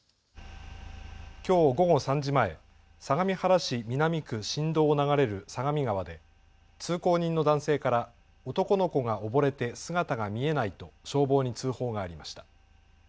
きょう午後３時前、相模原市南区新戸を流れる相模川で通行人の男性から男の子が溺れて姿が見えないと消防に通報がありました。